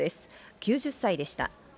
９０歳でした。